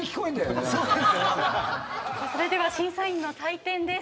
それでは審査員の採点です。